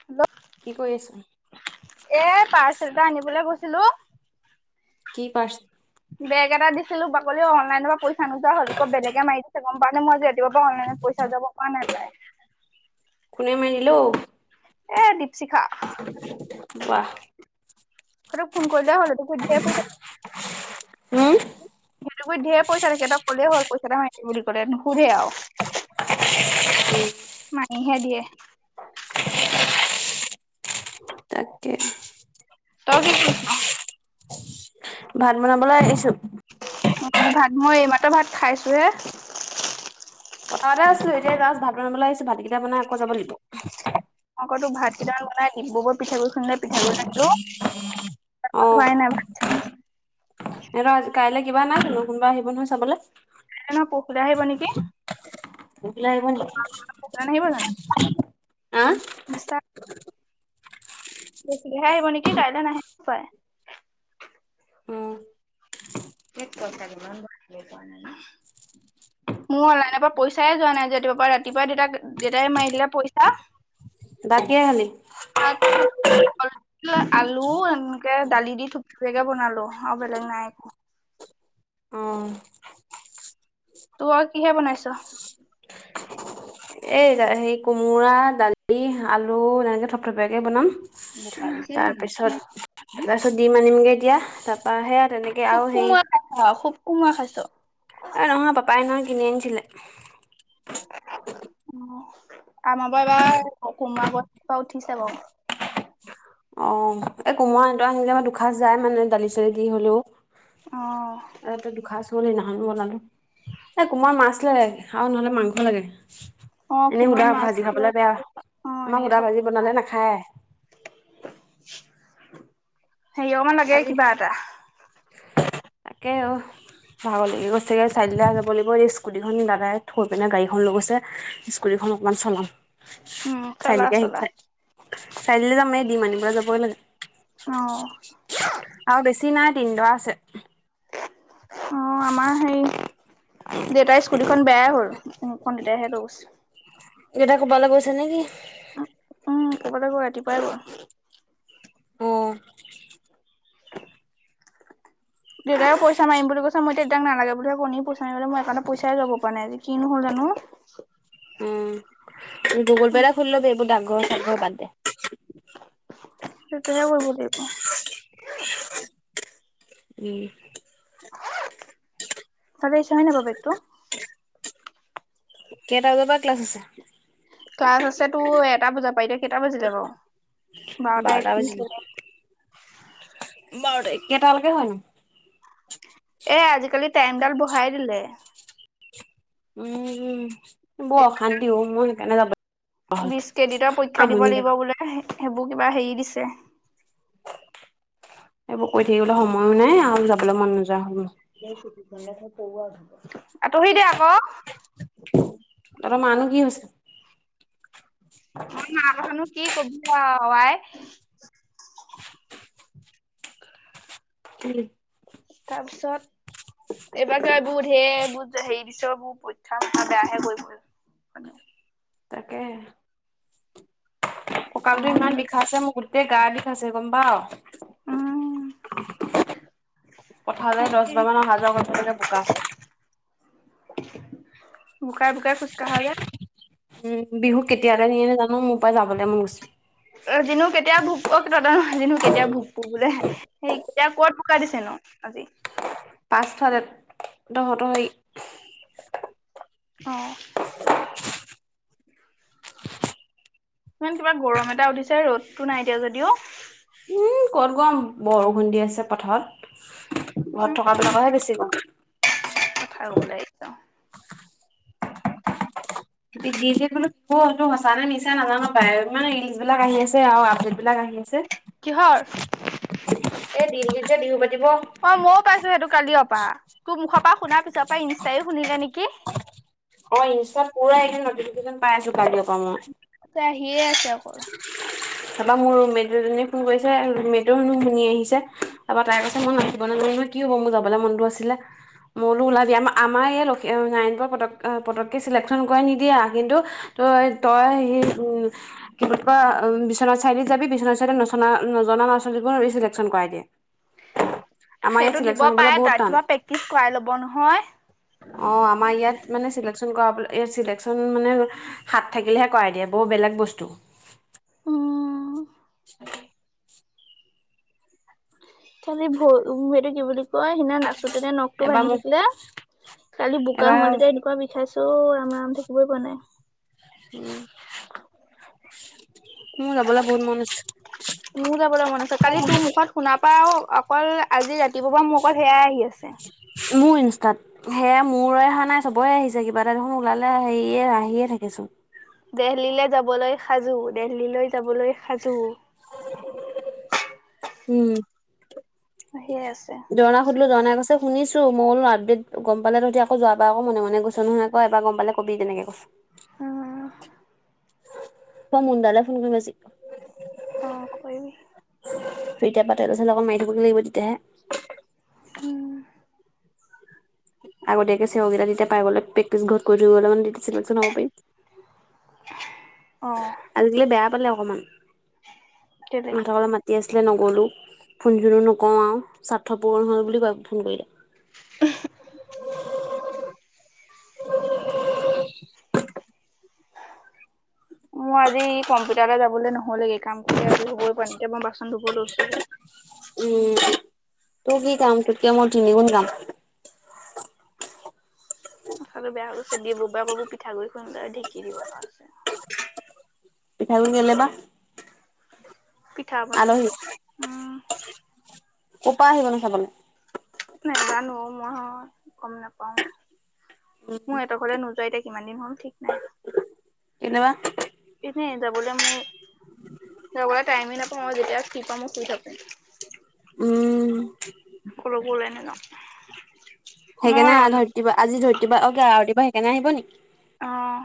[unintelligible] কি কৰি আছিল? এইয়া পাৰ্চেল এটা আনিবলে গৈছিলো। কি পাৰ্চে বেগ এটা দিছিলো বাকলি অনলাইনৰ পৰা পইচা নোযোৱা হ'ল, আকৌ বেলেগে মাৰি দিছে গম পাইনে মই আজি অনলাইনত পইচা যাব পৰা নাই পাই কোনে মাৰি দিলেও এ দীপশিখা বাহ। সেইটোক ফোন কৰিলে হ'ল সেইটোক টো দিয়ে পইচা হুম? সেইটো গুইট ঢেই পইছা থাকে তই কলে হল পইচা নহয় বুলি কলে নুসুধে আও মাহীয়ে দিয়ে তাকে তই কি কৰিছ ভাত বনাবলৈ আহিছো অ আমি ভাত মই এইমাত্ৰ ভাত খাইছোহে পথাৰতে আছো এতিয়া জাষ্ট ভাত বনাবলে আহিছো ভাতকেইটা বনাই আকৌ যাব লাগিব আকৌ তোক ভাত কেইটা বনাই ডিব্ৰুগড়ত পিঠাগুৰি খুন্দে পিঠাগুৰি লৈ আনিলোঁ, অ ভাত হোৱাই নাই ভাত এহঁত কাইলৈ কিবা নাই জানো কোনোবা আহিব নহয় চাবলে কাইলে নহয় পৰখিলে আহিব নেকি পৰসিলে আহিব নেকি আহ শুনিছা পৰখিলে আহিব নেকি কাইলে নাহে হপায় উম হেক কঠা ইমান বাৰ আহিব পাৰা নাই নে? [inaudible] মোৰ অনলাইনৰ পৰা পইচাই যোৱা নাই যে ৰাতিপুৱাৰ পৰা ৰাতিপুৱাই দেউতাক দেউতাই মাৰি দিলে পইচা ভাত কিহেৰে খালি? ভাত খা [unintelligible] আলু এনেকে দালি দি থুপুপিয়াকে বনালো আও বেলেগ নাই একো অ তোৰ আও কিহে বনাইছ? এই হে কোমোৰা দালি আলু এনেকে থপ থপিয়াকে বনাম তাৰপিছত তাৰপিছত দিম আনিমগে এতিয়া তাৰপা সেয়া তেনেক। খুব কোমোৱা খাইছ খুব কোমোৱা খাইছ এ নহয় পাপাই সেইদিনাখনি কিনি আনিছিলে অ আমাৰ পাপাই কোমৰা গছ জোপা উঠিছে বাও অ এই কোমৰা এটা আনিলে দুখাঁচ যায় মানে দালি চালি দি হলেও অ ততে দুখাচ হল সেইদিনাখন বনানো এ কোমাৰ মাছ লাগে আও নহ'লে মাংস লাগে অ এনেই সুধা কোমোৰাত মাছ ভাজি খাবলে বেয়া অ আমাৰ এনেকে সুধা খাব ভাজি বনালে নাখায় হেৰি অকমান লাগে আজি কিবা এটা তাকে অ ভাগ লাগি গৈছেগে চাইডিলা যাব লাগিব এই স্কুটিখন দাদাই থৈ পিনে গাড়ীখন লৈ গৈছে। স্কুটিখন অকণমান চলাও উম চলা চাৰিআলিকে আহ চ চলা চাৰিআলি যাম এই ডিম আনিব যাবৈ লাগে অ আৰু বেছি নাই তিনিদৰা আছে অ আমাৰ হে দেউতাৰ স্কুটিখনন বেয়াই হ'ল, মোখন দেউতাই হে লৈ গৈছে। দেউতাই কবালে গৈছে নেকি? উম ক'ৰবালে গ'ল ৰাতিপুৱাই গল অ দেউতাক পইচা মাৰিম বুলি কৈছে মই দেউতাক নালাগে বুলি কৈছোঁ পাইচা মাৰিবলে মই একাউণ্টত পইচাই যাব পৰা নাই আজি কি নহ'ল জানো উম গুগল পে এটা খুলি লবি এইবোৰ ডাকঘৰ চাগঘৰ বাদ দে সেইটোহে কৰিব লাগিব উম চাবি চোৰে নিব বেগটো কেইটা বজাৰ পৰা ক্লাছ আছে? ক্লাছ আছে তোৰ এটা বজাব পাই এতিয়া কেইটা বজিলে বাৰু বাৰটা একত্ৰিশ হলেই। বাৰ কেইটালৈকে হয়নো? এ আজিকালি টাইমডাল বঢহাই দিলে। উম, বৰ অশান্তি হও মোৰ সেইকাৰণে যাব বিশ ক্ৰেডিটৰ পৰীক্ষা দিব আমনি লাগিব লাগে। বোলে সেইবোৰ কিবা হেৰি দিছে। এইবোৰ কৈ থাকিবলৈ সময়ো নাই আৰু যাবলৈ মন নোযোৱা হ'ল। আতহি দে আকৌ। ত'হতৰ মানো কি হৈছে? [unintelligible] মই মা কথানো কি কবি আই। [unintelligible] [unintelligible] তাৰপিছত, এইবাৰ ত এইবোৰ ধেই এইবোৰ হেৰি দিছবোৰ পৰীক্ষা মাথা বেয়াহে কৰিব। তাকে, কঁকালটো আমনি ইমান লাগিছে বিষাইছে মোক গোটেই গা বিষাইছে গম পা' উম পঠালে দহ বাৰ মান অহা-যোৱা কৰিব লাগে বোকাত। বোকাই-বোকাই খোজকাঢ়া যে। উম, বিহু কেতিয়াকে নিয়ে নেজানো মোৰ পা যাবলৈ মন গৈছে। এটিনো কেতিয়া ভোক অহ, কিবা এটা এটিনো ভুক বোলে। সেই এতিয়া ক'ত বোকা দিছে নো। পাঁচ ফালে তহঁত সেই, অ', ইমান কিবা গৰম এটা উঠিছে ৰ'দতটো নাই এতিয়া যদিও। উম কত গম বৰষুণ দি আছে, পথাৰত ঘৰত থকা বিলাকহে বেছি গৰম। কষা কবলে একদম, বো সঁচা নে নিচা নাজানো বায় ইমানে ৰিলচ বিলাক আহি আছে আৰু আপডেট বিলাক আহি আছে। কিহৰ? এই দিল্লী ত যে বিহু পাতিব। অ, ময়ো পাইছো সেইটো কালিয় পা তোৰ মুখৰ পৰা শুনাৰ পিছৰ পৰা ইনষ্টাও শুনিলে নেকি? অ, ইনষ্টাত পুৰা একদিন নটিফিকেশ্যন পাই আছো কাইলে পা মই। এইটো আহিয়ে আছে অকল। [inaudible] তাৰাপৰা মোৰ ৰুমেট দুজনীয়ে ফোন কৰিছে, ৰুম মেটো হেনো শুনি আহিছে তাপা তাই কৈছে মই নাচিব নেজানো নহয়। কি হ'ব মোৰ যাবলে মনতটো আছিলে। মলো ওলাবি আমাৰ আমাৰ এই লাইতৰ ন পতক পটককে চিলেটখন কৰাই নিদিয়া কিন্তু তই-তই সি উম, কি বুলিকৈ বিশ্বনাথ চাৰিআলিত জাবি বিছনা চাইদত নচনা নজনা লৰা-ছোৱালী বোৰৰ চিলেক্টচন কৰাই দিয়ে। [inaudible] সেইটো দিব চিলেকশ্যন হ'বলৈ পাৰে বহুত তাত টান কিবা প্ৰেক্টিচ কৰাই ল'ব নহয়। অ, আমাৰ ইয়াত মানে চিলেক্টছন কৰাব ইয়াত চিলেক্টছন মানে, হাত থাকিলেহে কৰাই দিয়ে বৰ বেলেগ বস্তু। উম, [inaudible] খালি ভ ভৰিদি বুলি, কয় সিদিনা নাচো তেনে নখ টো এবাৰ ভাঙি মোক থাকিলে, কালি বোকা এবাৰ সোমালেযে এনেকোৱা বিষ? খাইছে অহ, ৰাম-ৰাম থাকিবই পোৱা নাই। উম, মোৰ যাবলৈ বহুত মন আছে। শুনাৰ পা আৰু অকল আজি ৰাতিপুৱাৰ পৰা মোৰ অকল সেয়াই আহি আছে। মো ইনষ্টাত। সেয়া মোৰে অহা নাই চবৰে আহিছে কিবা এটা দেখোন ওলালে সেয়ে আহিয়ে থাকেচোন। দেহলিলে যাবলৈ সাজু দেহলিলৈ যাবলৈ সাজু। উম। আহিয়ে আছে। জৰ্নাক সুধিলো জৰ্নাই কৈছে শুনিছোঁ মই বোলো আপদেত গম পালেটো এতিয়া আকৌ যোৱাবাৰ আকৌ মনে মনে গৈছ নহয় আকৌ এইবাৰ গম পালে কবি তেনেকে কৈছ হোম হোম। মই মুন দালে ফোন কৰিম আজি। অঁ কৰিবি। এতিয়া পা তেল চেল অকণ মাৰি থবগৈ লাগিব তেতিয়াহে। হোম। আগতীয়াকে চেও কিতা তেতিয়া পাই গলে প্ৰেকটিছ ঘৰত কৈ ধৰিবলে হ'ব [unintelligible] পাৰিম অহ। আজিকালি বেয়া পালে অকমান, কেলে সিহঁত ঘলে মা মাতি আছিলে নগ'লো ফোন চোনো নকৰোঁ আৱ স্বাৰ্থপূৰণ হ'ল বুলি কয় ফোন কৰিলে। উমহ। মই আজি কম্পিউটাৰলে যাবলে নহ'লেগেই কাম কৰি আজৰি হ'বই পৰা নাই, এতিয়া মই বাচন ধুব লৈছো হে। [unintelligible] উম তোৰ কি কাম তোতকে মোৰ তিনি গুণ কাম। মাথাটো বিয়া হৈ গৈছে দি বুবা বাবো পিঠা গুৰি খুন্দা ঢেকি দিব লগা আছে। পিঠা গুৰি কেলে বা? পিঠা বনাই আলহী বোলে, উম। কপা আহিব নো চাবলে? নেজানো অঁ মই গম নাপাওঁ। মোৰ এট ঘলে নোযোৱা এতিয়া কিমান দিন হ'ল ঠিক নাই। কেলে বা? এনেই যাবলৈ মোৰ যাবলে টাইমে নাপাওঁ মই যেতিয়াই ফ্ৰী পাওঁ মই শুই থাকো। উম কলৈকো উলাই নেযাওঁ। সেইকাৰে ধৰিত্ৰী বা আজি ধৰিত্ৰী বা অ আৰতি বা সেইকানে আহিব নেকি? অহ,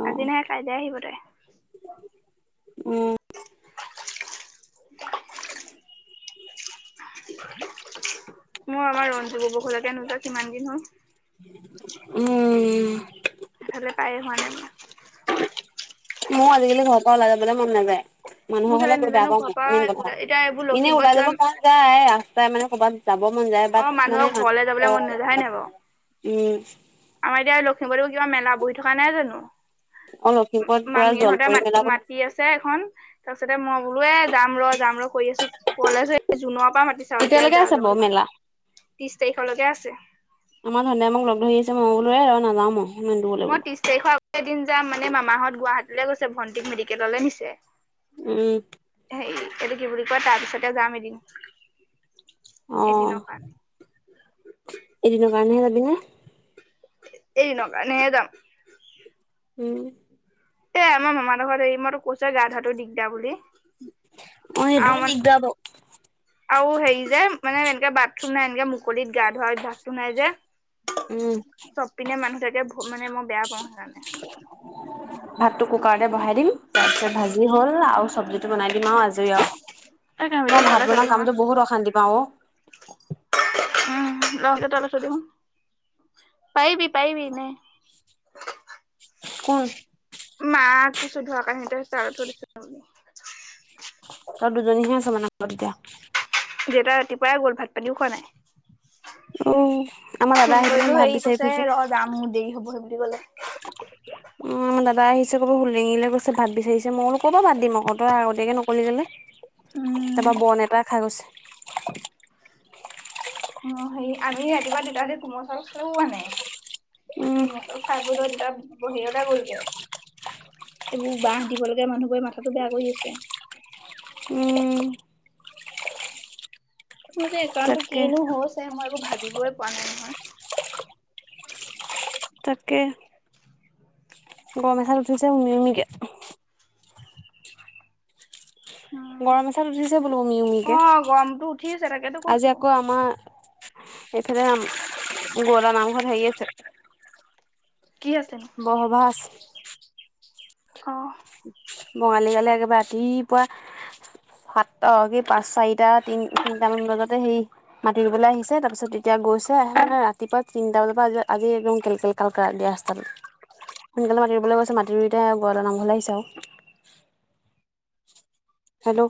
অ আজি নাহে কাইলে আহিব তাই। উম। মোৰ আমাৰ ৰঞ্জু ববৌ ঘৰলেকে নোযোৱা কিমান দিন হ'ল। উম। সেইফালে পায়ে হোৱা নাই মই। মও আজিকালি ঘৰৰ পৰা ওলাই যাবলে মন নাযায়। মোৰ মানুহৰ কেলে ঘৰলে গৈ বেয়া নাজানো পাওঁ ঘৰৰ মই পৰা মেইন কথা, ওলাই এতিয়া এইবোৰ এনেই লখিমপুৰত ওলাই কিবা যাব মন যায় ৰাস্তাই মানে ক'ৰবাত যাব মন যায়। অ বাত মানুহৰ মানে ঘৰলে যাবলৈ মানুহৰ মন ঘৰলে নাযায় হয় যাবলে নাই মন বাৰু নাযায়। উম। আমাৰ এতিয়া লখিমপুৰটো কিবা মেলা বহি থকা নাই জানো? অ লখিমপুৰত পুৰা মামীহঁতে জলপৰি মাত মেলা মাতি বহিছে আছে এখন। তাৰপিছতে মই বোলো এ যাম ৰ যাম ৰ কৰি আছোঁ কলে এই জুনৰ পৰা মাতিছে। চ' এতিয়া কেতিয়ালৈকে যাৰ আছে বাৰু যাবলো ভাল, মেলা ত্ৰিশ তাৰিখলৈকে আছে। আমাৰ ভণ্টিয়ে মোক লগ ধৰি আছে মই বোলো এ ৰ নাযাওঁ মই ইমান দূৰলে মই বোলো। ত্ৰিশ তাৰিখৰ আগত এ দিন যাম মানে মামাহঁত গুৱাহাটীলে গৈছে ভণ্টিক মেডিকেললে নিছে। উম। হেৰী এইটো কি বুলি কয় তাৰ পিছতে যাম এদিন, অ এদিনৰ কাৰণে। এদিনৰ কাৰণেহে যাবি নে? এদিনৰ কাৰণেহে যাম। উম। এ আমাৰ মামা হঁতৰ ঘৰত হেৰি মই তোক কৈছোৱে গা ধোৱাটো দিগদাৰ বুলি। অ এইটো আৰু মানে দিকদাৰ বাও। আৰু হেৰি যে মানে এনেকে বাথৰুম নাই এনেকে মুকলিত গা ধোৱা অভ্যাসটো নাই যে। উম। চব পিনে মানুহ থাকে, মানে মই বেয়া পাওঁ সেইকাৰণে। [unintelligible] ভাতটো কুকাৰতে বহাই দিম তাৰ পিছত ভাজি হ'ল আৰু চব্জিটো বনাই দিম আও আজৰি আও। এই কাঁহীটো মই ভাত তলে থৈ বনোৱা দিম কামতটো বহুত অশান্তি পাওঁ অ। উম [unintelligible] পাৰিবি পাৰিবি নে। ক'ত? মাক কৈছোঁ ধোৱা কাঁহীতো তাতে থৈ দিছোঁ বুলি। তহত দুজনী হে আছ মানে ঘৰত এতিয়া। দেউটাই ৰাতিপুৱাই গ'ল ভাত পানীও খোৱা নাই। উ আমাৰ ফোন দাদা আহি পিনে কৰিলো ভাত হেৰি বিচাৰি কৈছে ফুৰিছে। ৰ যাম মোৰ দেৰি হব সেই বুলি ক'লে। আমাৰ দাদা আহিছে ক'ব লেঙেৰিলে গৈছে ভাত বিচাৰিছে মই কলো ক'পা ভাত দিম আকৌ তই আগতীয়াকে নকলি কেলে। উম তাৰপা বন এটা খাই গৈছে। সেই আমি ৰাতিপুৱা তিতাতে কোমল চাউল খালো মানে, উম খাবলো তেতিয়া বহি অলে [unintelligible] গলগে এইবোৰ বাঁহ দিব লগীয়া মানুহবোৰে মাথাতো বেয়া কৰি আছে উম মোৰযে একাউণ্টটো তাকে কিনো হৈছে মই একো ভাবিবই পোৱা নাই নহয়। তাকে। গৰম এচাত উঠিছে উমি উমি কে। উম গৰম এচাত উঠিছে বোলো উমি উমিকে অ' গৰমটো উঠিছে তাকেতো আজি কৈছো আকৌ আমাৰ এইফালে গৌৰা নামঘৰত হেৰি আছে। কি আছে? ব সভা আছে। অ। বঙালী গালে একেবাৰে ৰাতিপুৱা সাতটা কি পাঁচ চাৰিটা তিন তিনিটামান বজাতে সেই মাতি ৰুবলৈ আহিছে তাৰপিছত এতিয়া গৈছে আহে ৰাতিপুৱা তিনিটা বজাৰ পৰা আ আজি একদম কেল কেল কাল কাল দিয়া ৰাস্তাত সোনকালে মাটি ৰুবলৈ গৈছে মাটি ৰুইতে বৰা নামঘৰ আহিছে আও হেল্ল'